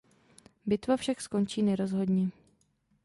Bitva však skončí nerozhodně.